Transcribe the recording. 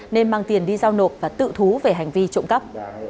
nên mang tiền đi giao nộp và tự thú về hành vi trộm cắp